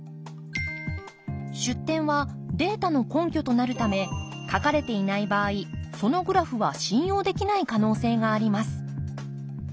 出典はデータの根拠となるため書かれていない場合そのグラフは信用できない可能性があります。